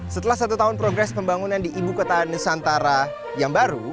setelah satu tahun progres pembangunan di ibu kota nusantara yang baru